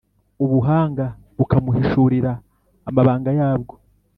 ubuhanga bukamuhishurira amabanga yabwo